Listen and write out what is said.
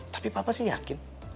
tapi papa sih yakin